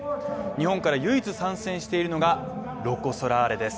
日本から唯一参戦しているのがロコ・ソラーレです。